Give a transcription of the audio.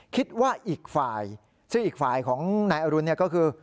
คิดว่าอีกฝ่ายซึ่งอีกฝ่ายของนายอรุณเนี่ยก็คือ